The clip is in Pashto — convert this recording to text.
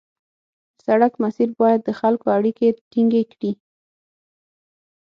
د سړک مسیر باید د خلکو اړیکې ټینګې کړي